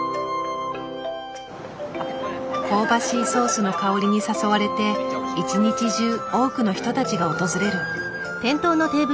香ばしいソースの香りに誘われて一日中多くの人たちが訪れる。